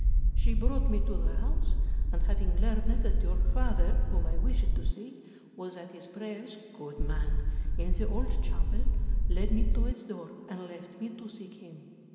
She brought me to the house, and having learned that your father, whom I wished to see, was at his prayers, good man, in the old chapel, led me to its door and left me to seek him.